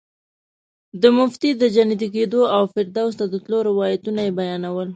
د متوفي د جنتي کېدو او فردوس ته د تلو روایتونه یې بیانول.